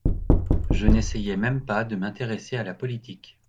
Je n'essayai même pas de m'intéresser à la politique.